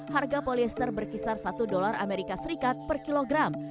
harga polyester berkisar satu dolar amerika serikat per kilogram